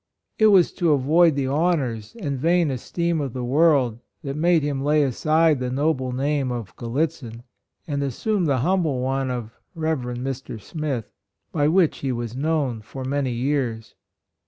It was to avoid the honors and vain esteem of the world that made him lay aside the noble name of Gallitzin and assume the humble one of Rev. Mr. Smith, by which he was known for many years.